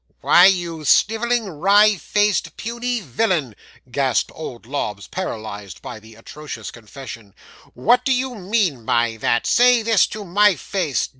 '"Why, you snivelling, wry faced, puny villain," gasped old Lobbs, paralysed by the atrocious confession; "what do you mean by that? Say this to my face!